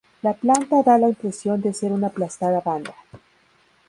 La planta da la impresión de ser una aplastada "Vanda".